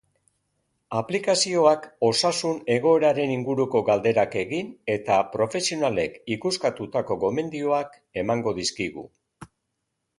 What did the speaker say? Aplikazioak osasun egoreraren inguruko galderak egin eta profesionalek ikuskatutako gomendioak emango dizkigu.